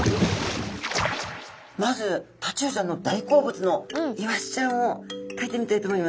まずタチウオちゃんの大好物のイワシちゃんをかいてみたいと思います。